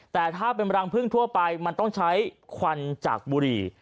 แต่ถ้าเป็นรังพึ่งทั่วไปมันต้องใช้ควันจากบุรี